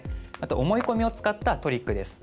思い込みを使ったトリックです。